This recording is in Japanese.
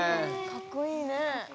かっこいい！